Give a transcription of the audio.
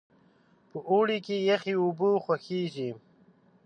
په اوړي کې یخې اوبه خوښیږي.